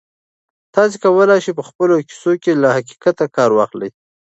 تاسي کولای شئ په خپلو کیسو کې له حقیقت کار واخلئ.